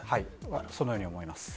そのように思います。